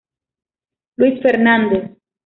Luís Fernández.